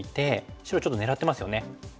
白ちょっと狙ってますよね。